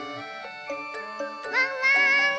ワンワーン！